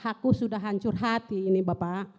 aku sudah hancur hati ini bapak